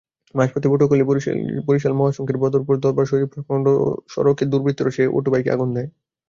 মাঝপথে পটুয়াখালী-বরিশাল মহাসড়কের বদরপুর দরবার শরিফ-সংলগ্ন সড়কে দুর্বৃত্তরা সেই অটোবাইকে আগুন দেয়।